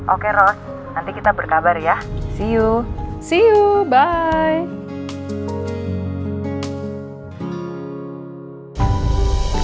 oke ros nanti kita berkabar ya see you see you bye